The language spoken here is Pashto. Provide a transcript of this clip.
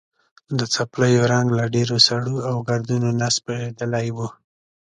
د څپلیو رنګ له ډېرو سړو او ګردونو نه سپېرېدلی و.